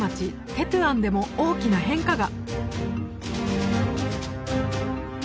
テトゥアンでも大きな変化が！